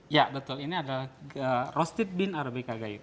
ya betul ini adalah roasted bean arabica gayo